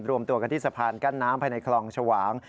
รวมตัวกันที่สะพานกั้นน้ำภายในคลองชวาง